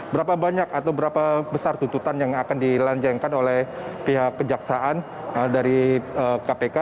berapa banyak atau berapa besar tuntutan yang akan dilanjangkan oleh pihak kejaksaan dari kpk